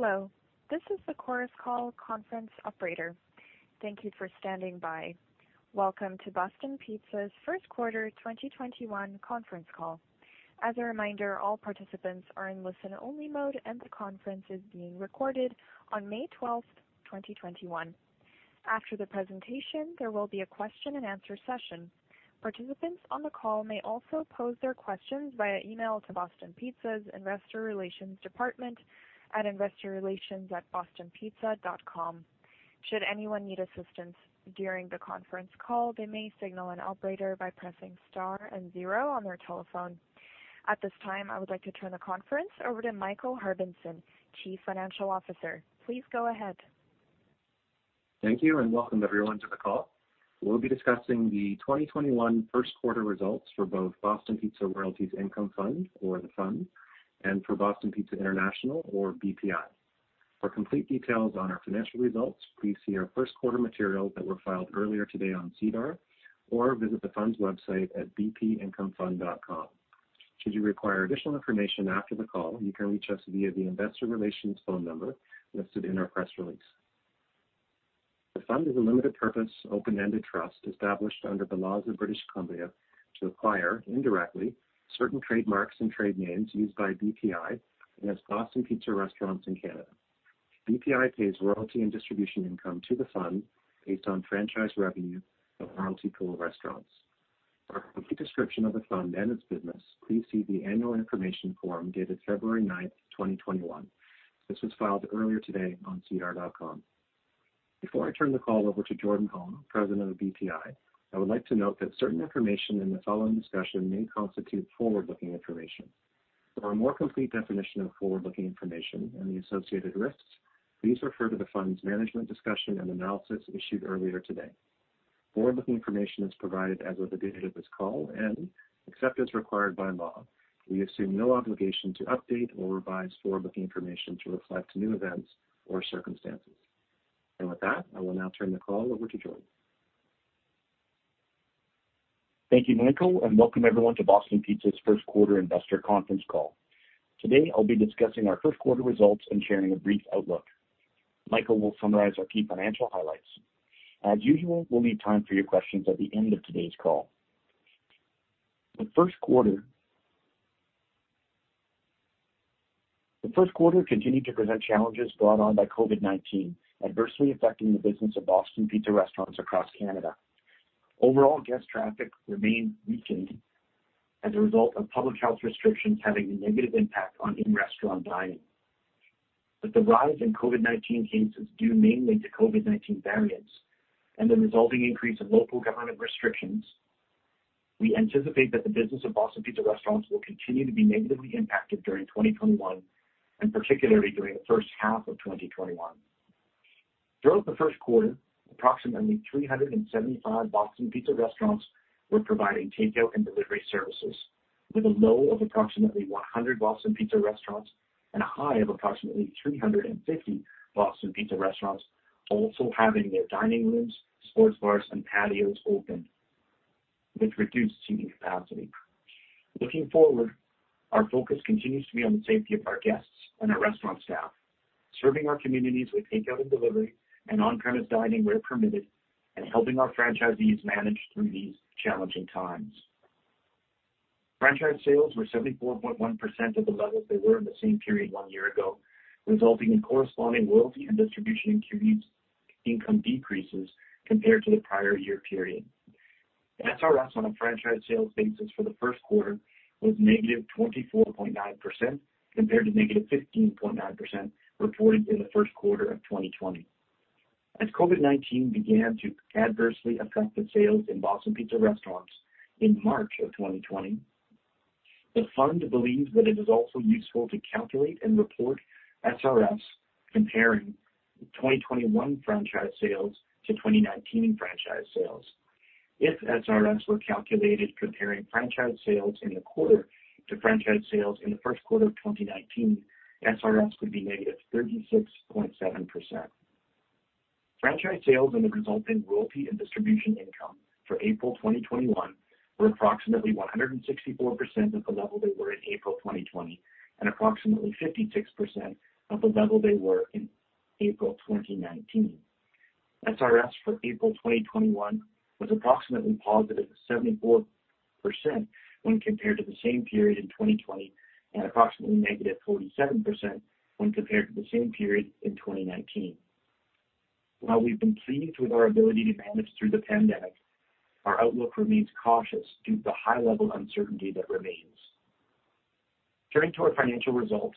Hello, this is the Chorus Call conference operator. Thank you for standing by. Welcome to Boston Pizza's First Quarter 2021 Conference Call. As a reminder, all participants are in listen-only mode, and the conference is being recorded on May 12th, 2021. After the presentation, there will be a question-and-answer session. Participants on the call may also pose their questions via email to Boston Pizza's Investor Relations department at investorrelations@bostonpizza.com. Should anyone need assistance during the conference call, they may signal an operator by pressing star and zero on their telephone. At this time, I would like to turn the conference over to Michael Harbinson, Chief Financial Officer. Please go ahead. Thank you, and welcome everyone to the call. We'll be discussing the 2021 first quarter results for both Boston Pizza Royalties Income Fund, or the Fund, and for Boston Pizza International, or BPI. For complete details on our financial results, please see our first quarter materials that were filed earlier today on SEDAR or visit the Fund's website at bpincomefund.com. Should you require additional information after the call, you can reach us via the investor relations phone number listed in our press release. The Fund is a limited purpose, open-ended trust established under the laws of British Columbia to acquire, indirectly, certain trademarks and trade names used by BPI and its Boston Pizza restaurants in Canada. BPI pays royalty and distribution income to the Fund based on franchise revenue of royalty pool restaurants. For a complete description of the Fund and its business, please see the annual information form dated February 9th, 2021. This was filed earlier today on sedar.com. Before I turn the call over to Jordan Holm, President of BPI, I would like to note that certain information in the following discussion may constitute forward-looking information. For a more complete definition of forward-looking information and the associated risks, please refer to the Fund's management discussion and analysis issued earlier today. Forward-looking information is provided as of the date of this call. Except as required by law, we assume no obligation to update or revise forward-looking information to reflect new events or circumstances. With that, I will now turn the call over to Jordan. Thank you, Michael, and welcome everyone to Boston Pizza's first quarter investor conference call. Today, I'll be discussing our first quarter results and sharing a brief outlook. Michael will summarize our key financial highlights. As usual, we'll leave time for your questions at the end of today's call. The first quarter continued to present challenges brought on by COVID-19, adversely affecting the business of Boston Pizza restaurants across Canada. Overall guest traffic remained weakened as a result of public health restrictions having a negative impact on in-restaurant dining. With the rise in COVID-19 cases due mainly to COVID-19 variants and the resulting increase in local government restrictions, we anticipate that the business of Boston Pizza restaurants will continue to be negatively impacted during 2021, and particularly during the first half of 2021. Throughout the first quarter, approximately 375 Boston Pizza restaurants were providing takeout and delivery services with a low of approximately 100 Boston Pizza restaurants and a high of approximately 350 Boston Pizza restaurants also having their dining rooms, sports bars, and patios open with reduced seating capacity. Looking forward, our focus continues to be on the safety of our guests and our restaurant staff, serving our communities with takeout and delivery and on-premise dining where permitted, and helping our franchisees manage through these challenging times. Franchise sales were 74.1% of the level they were in the same period one year ago, resulting in corresponding royalty and distribution income decreases compared to the prior year period. The SRS on a franchise sales basis for the first quarter was -24.9%, compared to -15.9% reported in the first quarter of 2020. As COVID-19 began to adversely affect the sales in Boston Pizza restaurants in March of 2020, the Fund believes that it is also useful to calculate and report SRS comparing 2021 franchise sales to 2019 franchise sales. If SRS were calculated comparing franchise sales in the quarter to franchise sales in the first quarter of 2019, SRS would be -36.7%. Franchise sales and the resulting royalty and distribution income for April 2021 were approximately 164% of the level they were in April 2020 and approximately 56% of the level they were in April 2019. SRS for April 2021 was approximately positive 74% when compared to the same period in 2020 and approximately -47% when compared to the same period in 2019. While we've been pleased with our ability to manage through the pandemic, our outlook remains cautious due to the high level of uncertainty that remains. Turning to our financial results,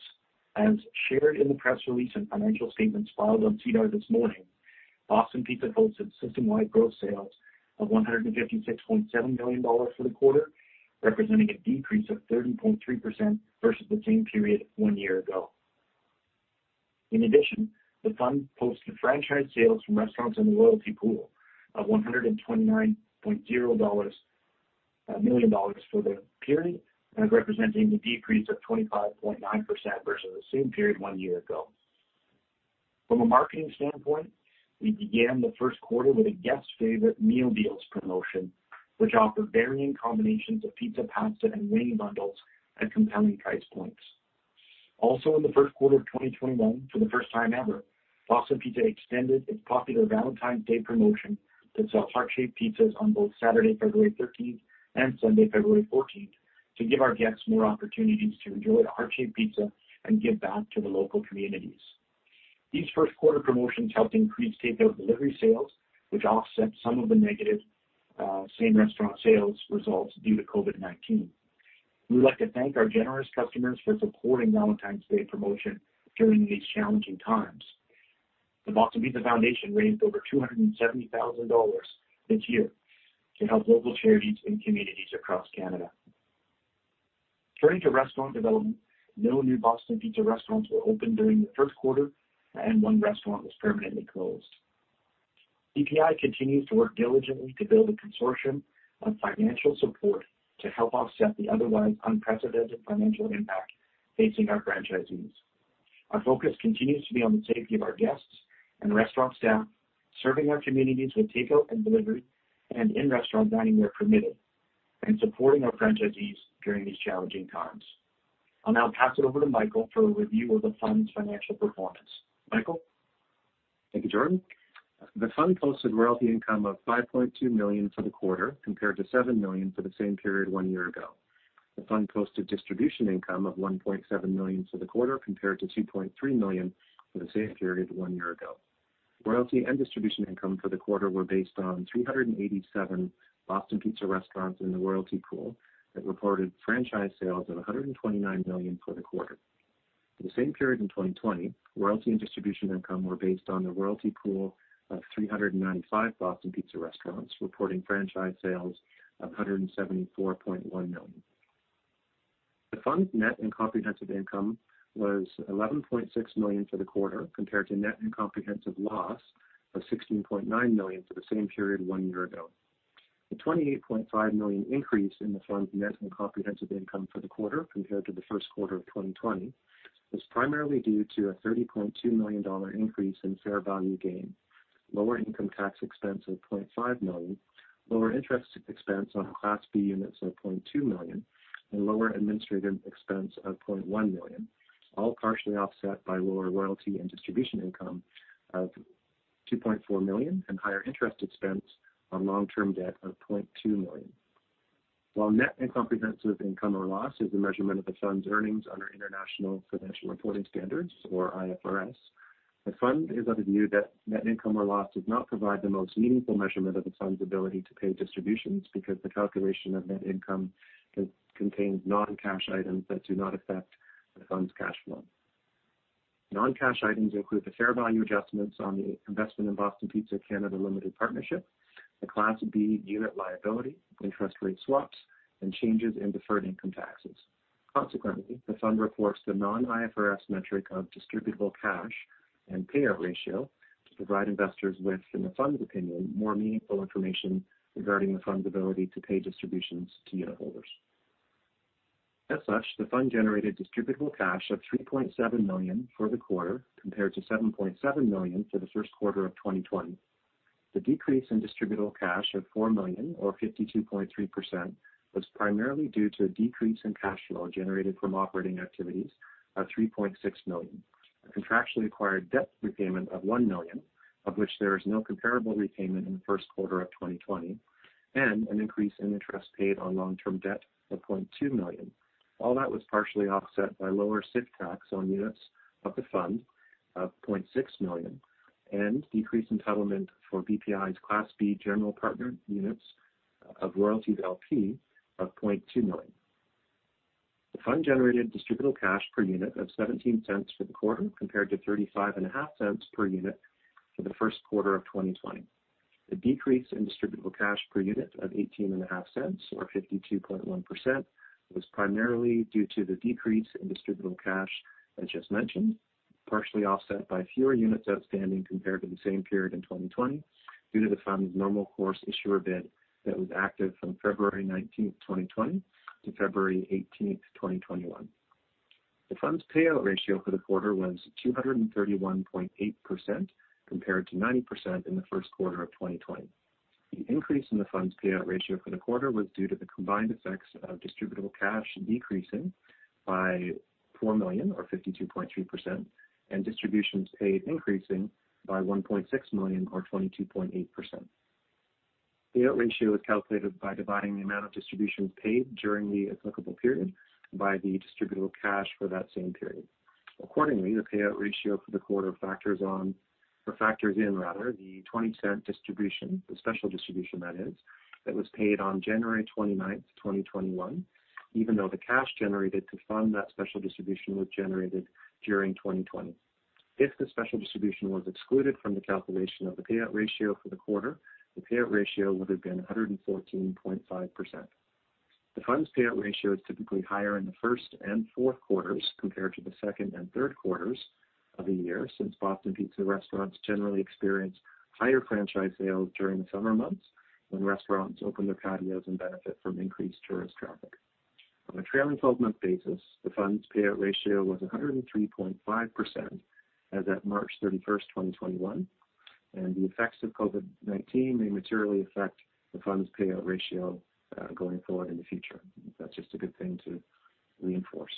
as shared in the press release and financial statements filed on SEDAR this morning, Boston Pizza posted system-wide gross sales of 156.7 million dollars for the quarter, representing a decrease of 30.3% versus the same period one year ago. In addition, the Fund posted franchise sales from restaurants in the royalty pool of 129.0 million dollars for the period, and representing a decrease of 25.9% versus the same period one year ago. From a marketing standpoint, we began the first quarter with a Guest Favourite Meal Deals promotion, which offered varying combinations of pizza, pasta, and wing bundles at compelling price points. Also in the first quarter of 2021, for the first time ever, Boston Pizza extended its popular Valentine's Day promotion that saw heart-shaped pizzas on both Saturday, February 13th and Sunday, February 14th, to give our guests more opportunities to enjoy the heart-shaped pizza and give back to the local communities. These first quarter promotions helped increase takeout delivery sales, which offset some of the negative same-restaurant sales results due to COVID-19. We would like to thank our generous customers for supporting Valentine's Day promotion during these challenging times. The Boston Pizza Foundation raised over 270,000 dollars this year to help local charities and communities across Canada. Turning to restaurant development, no new Boston Pizza restaurants were opened during the first quarter, and one restaurant was permanently closed. BPI continues to work diligently to build a consortium of financial support to help offset the otherwise unprecedented financial impact facing our franchisees. Our focus continues to be on the safety of our guests and restaurant staff, serving our communities with takeout and delivery, and in-restaurant dining where permitted, and supporting our franchisees during these challenging times. I'll now pass it over to Michael for a review of the fund's financial performance. Michael? Thank you, Jordan. The fund posted royalty income of 5.2 million for the quarter, compared to 7 million for the same period one year ago. The fund posted distribution income of 1.7 million for the quarter, compared to 2.3 million for the same period one year ago. Royalty and distribution income for the quarter were based on 387 Boston Pizza restaurants in the royalty pool that reported franchise sales of 129 million for the quarter. For the same period in 2020, royalty and distribution income were based on the royalty pool of 395 Boston Pizza restaurants, reporting franchise sales of 174.1 million. The fund's net and comprehensive income was 11.6 million for the quarter, compared to net and comprehensive loss of 16.9 million for the same period one year ago. The 28.5 million increase in the fund's net and comprehensive income for the quarter compared to the first quarter of 2020 is primarily due to a 30.2 million dollar increase in fair value gain, lower income tax expense of 0.5 million, lower interest expense on Class B units of 0.2 million, and lower administrative expense of 0.1 million, all partially offset by lower royalty and distribution income of 2.4 million and higher interest expense on long-term debt of 0.2 million. While net and comprehensive income or loss is a measurement of the fund's earnings under International Financial Reporting Standards, or IFRS, the fund is of the view that net income or loss does not provide the most meaningful measurement of the fund's ability to pay distributions because the calculation of net income contains non-cash items that do not affect the fund's cash flow. Non-cash items include the fair value adjustments on the investment in Boston Pizza Canada Limited Partnership, the Class B unit liability, interest rate swaps, and changes in deferred income taxes. Consequently, the fund reports the non-IFRS metric of distributable cash and payout ratio to provide investors with, in the fund's opinion, more meaningful information regarding the fund's ability to pay distributions to unitholders. As such, the fund generated distributable cash of 3.7 million for the quarter, compared to 7.7 million for the first quarter of 2020. The decrease in distributable cash of 4 million or 52.3% was primarily due to a decrease in cash flow generated from operating activities of 3.6 million, a contractually required debt repayment of 1 million, of which there is no comparable repayment in the first quarter of 2020, and an increase in interest paid on long-term debt of 0.2 million. All that was partially offset by lower SIFT tax on units of the fund of 0.6 million and decreased entitlement for BPI's Class B general partner units of Royalties LP of 0.2 million. The fund generated distributable cash per unit of 0.17 for the quarter, compared to 0.355 per unit for the first quarter of 2020. The decrease in distributable cash per unit of 0.185 or 52.1% was primarily due to the decrease in distributable cash as just mentioned, partially offset by fewer units outstanding compared to the same period in 2020 due to the fund's normal course issuer bid that was active from February 19th, 2020 to February 18th, 2021. The fund's payout ratio for the quarter was 231.8%, compared to 90% in the first quarter of 2020. The increase in the fund's payout ratio for the quarter was due to the combined effects of distributable cash decreasing by 4 million or 52.3%, and distributions paid increasing by 1.6 million or 22.8%. Payout ratio is calculated by dividing the amount of distributions paid during the applicable period by the distributable cash for that same period. Accordingly, the payout ratio for the quarter factors in rather, the 0.20 distribution, the special distribution that is, that was paid on January 29th, 2021, even though the cash generated to fund that special distribution was generated during 2020. If the special distribution was excluded from the calculation of the payout ratio for the quarter, the payout ratio would have been 114.5%. The fund's payout ratio is typically higher in the first and fourth quarters compared to the second and third quarters of the year since Boston Pizza restaurants generally experience higher franchise sales during the summer months when restaurants open their patios and benefit from increased tourist traffic. On a trailing 12-month basis, the fund's payout ratio was 103.5% as at March 31st, 2021, and the effects of COVID-19 may materially affect the fund's payout ratio going forward in the future. That's just a good thing to reinforce.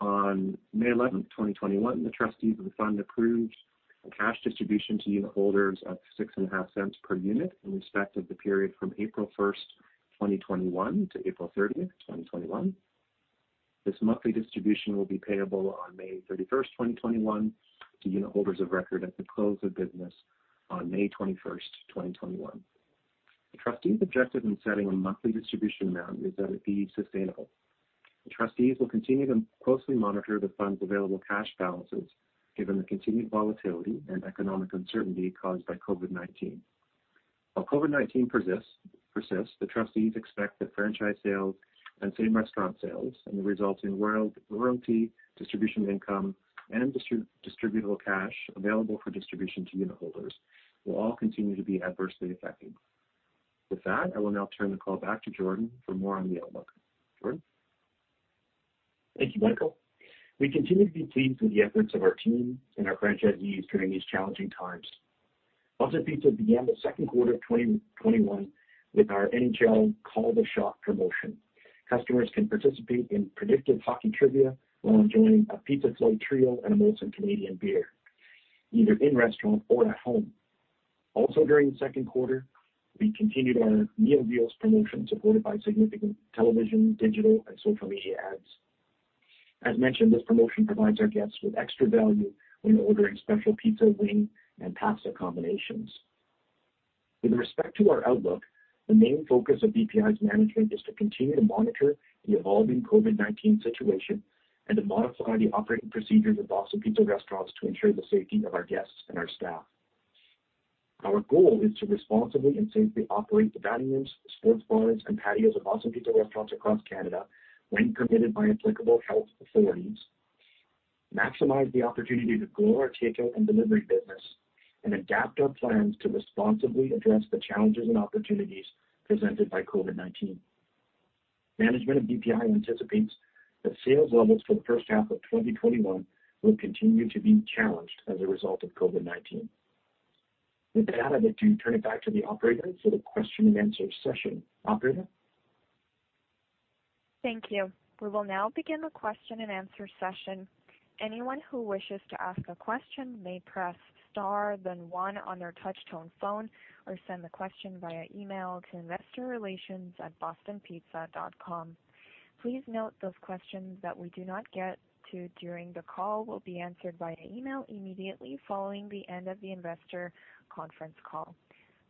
On May 11th, 2021, the trustees of the fund approved a cash distribution to unitholders of 0.065 per unit in respect of the period from April 1st, 2021 to April 30th, 2021. This monthly distribution will be payable on May 31st, 2021, to unitholders of record at the close of business on May 21st, 2021. The trustee's objective in setting a monthly distribution amount is that it be sustainable. The trustees will continue to closely monitor the fund's available cash balances given the continued volatility and economic uncertainty caused by COVID-19. While COVID-19 persists, the trustees expect that franchise sales and same restaurant sales and the resulting royalty distribution income and distributable cash available for distribution to unitholders will all continue to be adversely affected. With that, I will now turn the call back to Jordan for more on the outlook. Jordan? Thank you, Michael. We continue to be pleased with the efforts of our team and our franchisees during these challenging times. Boston Pizza began the second quarter of 2021 with our NHL Call the Shots promotion. Customers can participate in predictive hockey trivia while enjoying a pizza flight trio and a Molson Canadian beer, either in restaurant or at home. Also during the second quarter, we continued our Meal Deals promotion, supported by significant television, digital, and social media ads. As mentioned, this promotion provides our guests with extra value when ordering special pizza, wing, and pasta combinations. With respect to our outlook, the main focus of BPI's management is to continue to monitor the evolving COVID-19 situation and to modify the operating procedures of Boston Pizza restaurants to ensure the safety of our guests and our staff. Our goal is to responsibly and safely operate the dining rooms, sports bars, and patios of Boston Pizza restaurants across Canada when permitted by applicable health authorities, maximize the opportunity to grow our takeout and delivery business, and adapt our plans to responsibly address the challenges and opportunities presented by COVID-19. Management of BPI anticipates that sales levels for the first half of 2021 will continue to be challenged as a result of COVID-19. With that, I'd like to turn it back to the operator for the question-and-answer session. Operator? Thank you. We will now begin the question-and-answer session. Anyone who wishes to ask a question may press star then one on their touch-tone phone or send the question via email to investorrelations@bostonpizza.com. Please note those questions that we do not get to during the call will be answered via email immediately following the end of the investor conference call.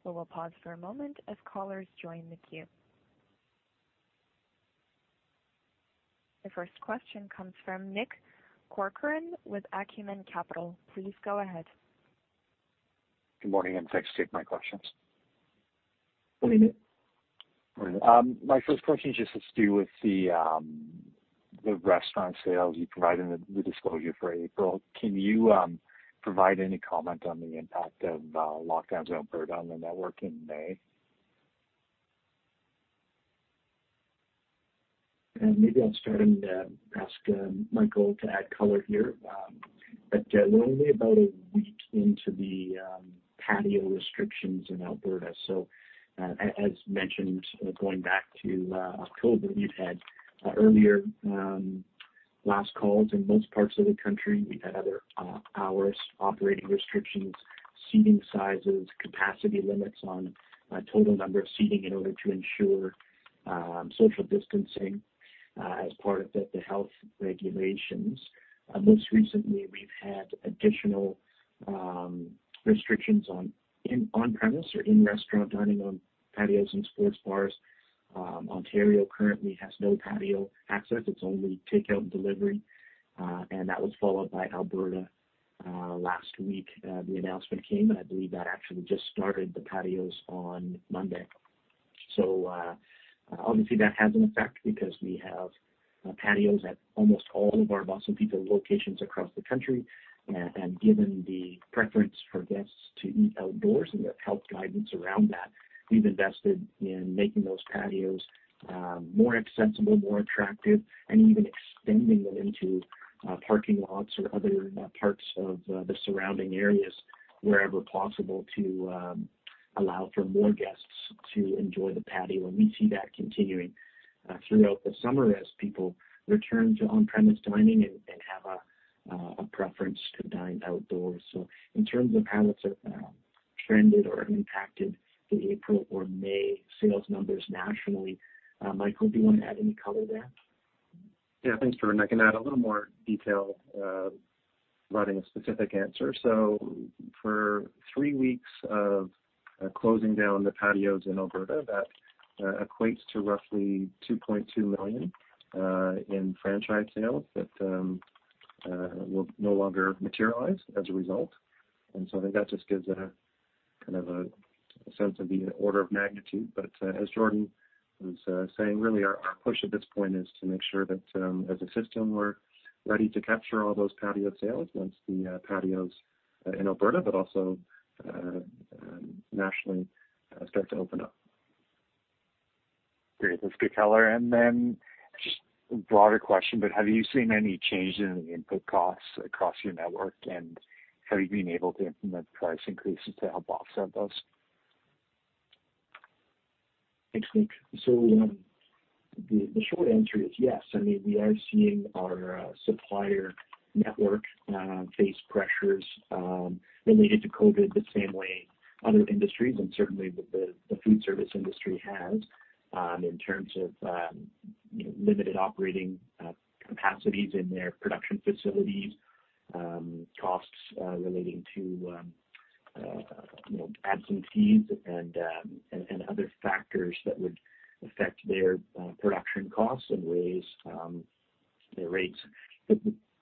We will pause for a moment as callers join the queue. The first question comes from Nick Corcoran with Acumen Capital. Please go ahead. Good morning, and thanks for taking my questions. Morning, Nick. Morning. My first question just has to do with the restaurant sales you provided in the disclosure for April. Can you provide any comment on the impact of lockdowns in Alberta on the network in May? Maybe I'll start and ask Michael to add color here. We're only about a week into the patio restrictions in Alberta. As mentioned, going back to October, we've had earlier last calls in most parts of the country. We've had other hours, operating restrictions, seating sizes, capacity limits on total number of seating in order to ensure social distancing as part of the health regulations. Most recently, we've had additional restrictions on on-premise or in-restaurant dining on patios and sports bars. Ontario currently has no patio access. It's only takeout and delivery. That was followed by Alberta. Last week, the announcement came, and I believe that actually just started the patios on Monday. Obviously, that has an effect because we have patios at almost all of our Boston Pizza locations across the country. Given the preference for guests to eat outdoors and the health guidance around that, we've invested in making those patios more accessible, more attractive, and even extending them into parking lots or other parts of the surrounding areas wherever possible to allow for more guests to enjoy the patio. We see that continuing throughout the summer as people return to on-premises dining and have a preference to dine outdoors. In terms of how it's trended or impacted the April or May sales numbers nationally, Michael, do you want to add any color there? Yeah. Thanks, Jordan. I can add a little more detail providing a specific answer. For three weeks of closing down the patios in Alberta, that equates to roughly 2.2 million in franchise sales that will no longer materialize as a result. I think that just gives a sense of the order of magnitude. As Jordan was saying, really our push at this point is to make sure that as a system, we're ready to capture all those patio sales once the patios in Alberta, but also nationally start to open up. Great. That's good, color. Just a broader question, but have you seen any changes in the input costs across your network, and have you been able to implement price increases to help offset those? Thanks, Nick. The short answer is yes. We are seeing our supplier network face pressures related to COVID-19 the same way other industries and certainly the food service industry has in terms of limited operating capacities in their production facilities, costs relating to absentees, and other factors that would affect their production costs and raise their rates.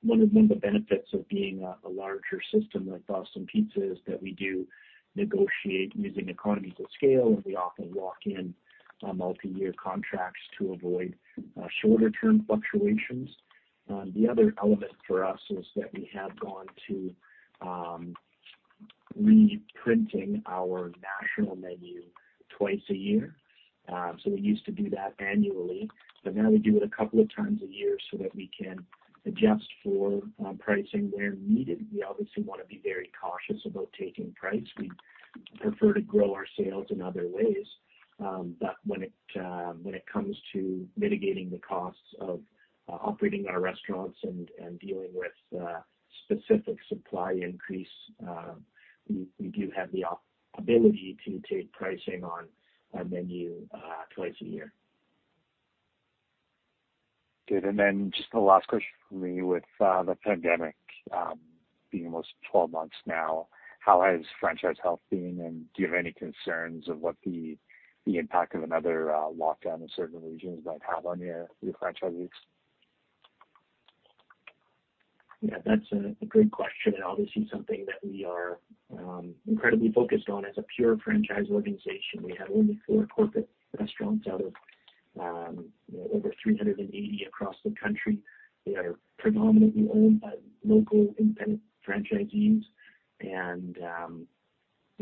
One of the benefits of being a larger system like Boston Pizza is that we do negotiate using economies of scale, and we often lock in multi-year contracts to avoid shorter-term fluctuations. The other element for us is that we have gone to reprinting our national menu twice a year. We used to do that annually, but now we do it a couple of times a year so that we can adjust for pricing where needed. We obviously want to be very cautious about taking price. We prefer to grow our sales in other ways. When it comes to mitigating the costs of operating our restaurants and dealing with specific supply increase, we do have the ability to take pricing on our menu twice a year. Good. Just the last question from me. With the pandemic being almost 12 months now, how has franchise health been, and do you have any concerns of what the impact of another lockdown in certain regions might have on your franchisees? Yeah, that's a great question and obviously something that we are incredibly focused on. As a pure franchise organization, we have only four corporate restaurants out of over 380 across the country. They are predominantly owned by local independent franchisees.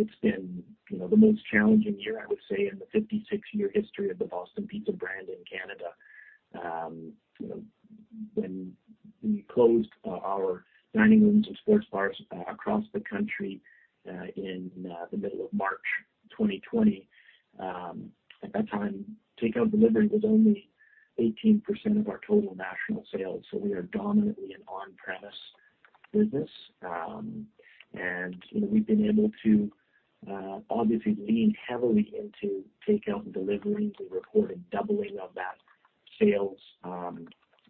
It's been the most challenging year, I would say, in the 56-year history of the Boston Pizza brand in Canada. When we closed our dining rooms and sports bars across the country in the middle of March 2020, at that time, takeout and delivery was only 18% of our total national sales. We are dominantly an on-premise business. We've been able to obviously lean heavily into takeout and delivery. We reported doubling of that sales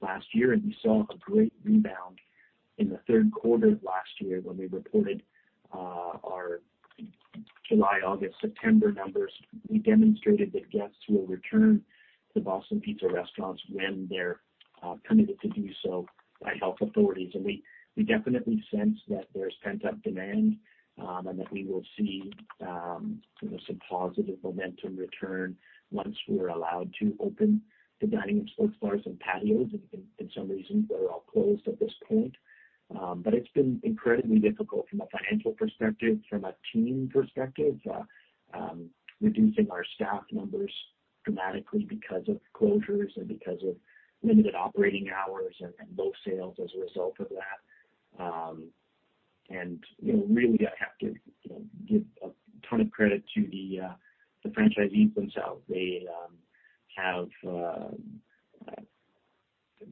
last year, and we saw a great rebound in the third quarter of last year when we reported our July, August, September numbers. We demonstrated that guests will return to Boston Pizza restaurants when they're permitted to do so by health authorities. We definitely sense that there's pent-up demand and that we will see some positive momentum return once we're allowed to open the dining room, sports bars, and patios in some regions that are all closed at this point. It's been incredibly difficult from a financial perspective, from a team perspective, reducing our staff numbers dramatically because of closures and because of limited operating hours and low sales as a result of that. Really, I have to give a ton of credit to the franchisees themselves. They have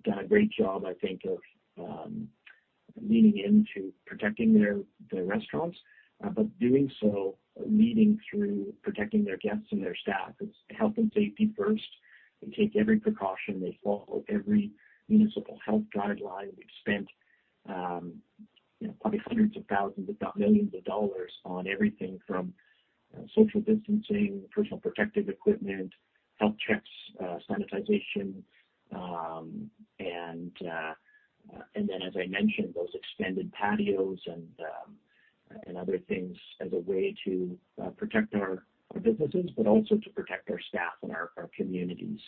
done a great job, I think, of leaning into protecting their restaurants, but doing so, leading through protecting their guests and their staff. It's health and safety first. They take every precaution. They follow every municipal health guideline. We've spent probably hundreds of thousands, if not millions of dollars on everything from social distancing, personal protective equipment, health checks, sanitization, and then as I mentioned, those extended patios and other things as a way to protect our businesses, but also to protect our staff and our communities.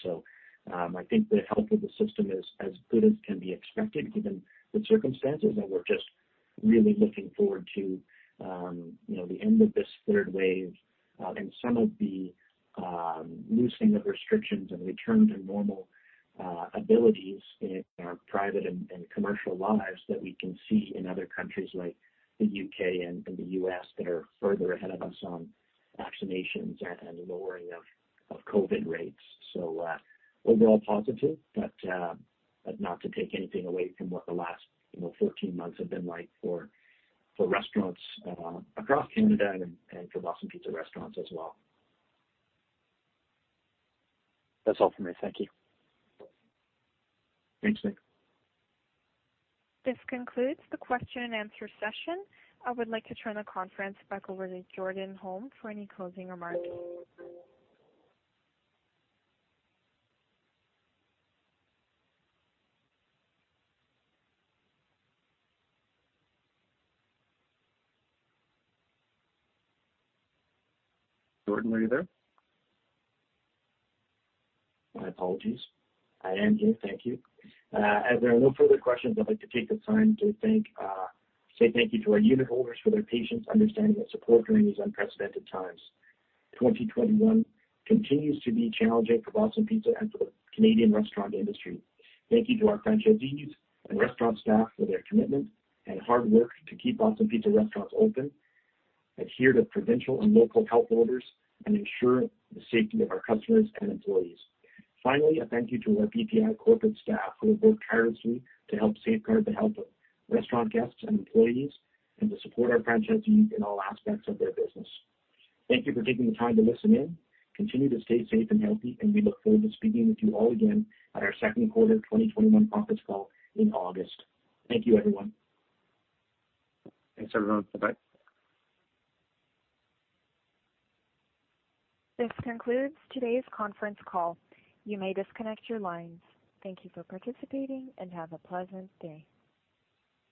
I think the health of the system is as good as can be expected given the circumstances, and we're just really looking forward to the end of this third wave and some of the loosening of restrictions and return to normal abilities in our private and commercial lives that we can see in other countries like the U.K. and the U.S. that are further ahead of us on vaccinations and lowering of COVID rates. Overall positive, but not to take anything away from what the last 14 months have been like for restaurants across Canada and for Boston Pizza restaurants as well. That's all for me. Thank you. Thanks, Nick. This concludes the question and answer session. I would like to turn the conference back over to Jordan Holm for any closing remarks. Jordan, are you there? My apologies. I am here. Thank you. As there are no further questions, I'd like to take the time to say thank you to our unitholders for their patience, understanding, and support during these unprecedented times. 2021 continues to be challenging for Boston Pizza and for the Canadian restaurant industry. Thank you to our franchisees and restaurant staff for their commitment and hard work to keep Boston Pizza restaurants open, adhere to provincial and local health orders, and ensure the safety of our customers and employees. Finally, a thank you to our BPI corporate staff who have worked tirelessly to help safeguard the health of restaurant guests and employees and to support our franchisees in all aspects of their business. Thank you for taking the time to listen in. Continue to stay safe and healthy, and we look forward to speaking with you all again at our second quarter 2021 conference call in August. Thank you, everyone. Thanks, everyone. Bye. This concludes today's conference call. You may disconnect your lines. Thank you for participating and have a pleasant day.